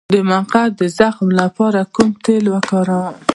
د مقعد د زخم لپاره کوم تېل وکاروم؟